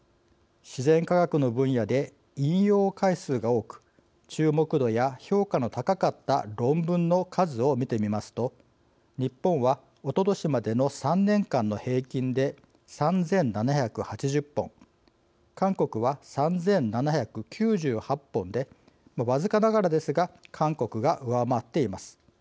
自然科学の分野で引用回数が多く注目度や評価の高かった論文の数を見てみますと日本は、おととしまでの３年間の平均で３７８０本韓国は３７９８本で僅かながらですが韓国が上回っています。